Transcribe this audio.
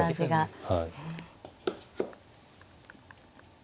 はい。